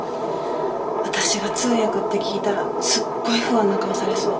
私が通訳って聞いたらすっごい不安な顔されそう。